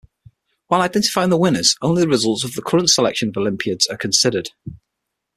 While identifying the winners, only the results of the current selection olympiads are considered.